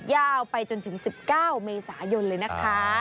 ยาวไปจนถึง๑๙เมษายนเลยนะคะ